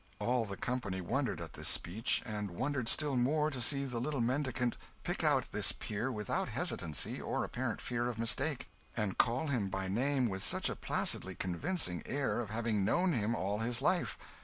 All the company wondered at this speech, and wondered still more to see the little mendicant pick out this peer without hesitancy or apparent fear of mistake, and call him by name with such a placidly convincing air of having known him all his life.